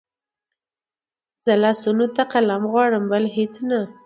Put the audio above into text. زه لاسونو ته قلم غواړم بل هېڅ نه